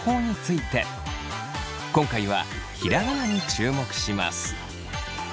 今回はひらがなに注目します。